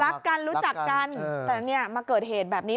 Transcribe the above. รักกันรู้จักกันแต่เนี่ยมาเกิดเหตุแบบนี้